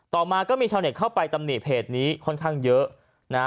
ต่อมาก็มีชาวเน็ตเข้าไปตำหนิเพจนี้ค่อนข้างเยอะนะฮะ